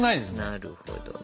なるほどね。